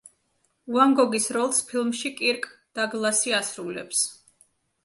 ვან გოგის როლს ფილმში კირკ დაგლასი ასრულებს.